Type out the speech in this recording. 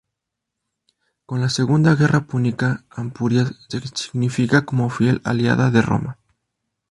Con la segunda guerra púnica Ampurias se significa como fiel aliada de Roma.